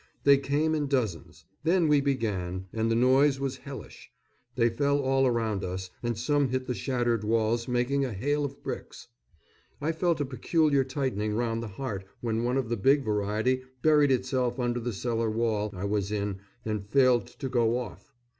They came in dozens. Then we began, and the noise was hellish. They fell all around us and some hit the shattered walls, making a hail of bricks. I felt a peculiar tightening round the heart when one of the big variety buried itself under the cellar wall I was in and failed to go off.